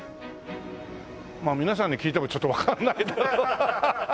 まあ皆さんに聞いてもちょっとわかんないだろう。